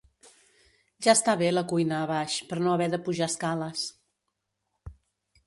Ja està bé la cuina a baix, per no haver de pujar escales.